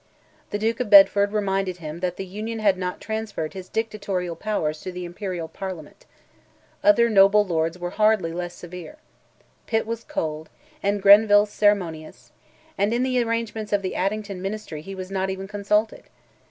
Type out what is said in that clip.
The Duke of Bedford reminded him that "the Union had not transferred his dictatorial powers to the Imperial Parliament;" other noble Lords were hardly less severe. Pitt was cold, and Grenville ceremonious; and in the arrangements of the Addington ministry he was not even consulted.